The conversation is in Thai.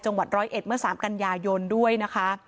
จังหวัด๑๐๑เมื่อ๓กันยายนด้วยนะคะ